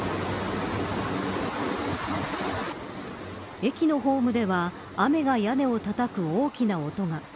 駅のホームでは雨が屋根をたたく大きな音が。